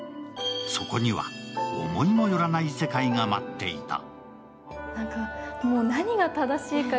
そこには、思いもよらない世界が待っていた。